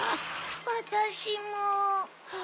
わたしも。